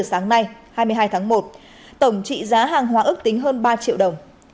lúc hai giờ sáng nay hai mươi hai tháng một tổng trị giá hàng hóa ức tính hơn ba triệu đồng